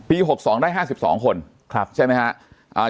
ปี๖๒ได้๕๒คนใช่ไหมฮะ